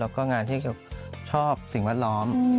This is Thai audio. แล้วก็งานที่ชอบสิ่งแวดล้อม